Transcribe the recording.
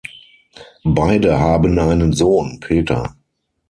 Beide haben einen Sohn, Peter.